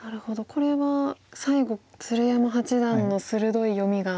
これは最後鶴山八段の鋭い読みが。